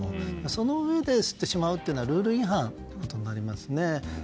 そのうえで吸ってしまうというのはルール違反となりますね。